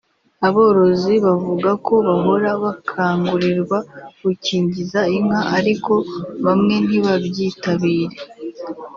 Aborozi bavuga ko bahora bakangurirwa gukingiza inka ariko bamwe ntibabyitabire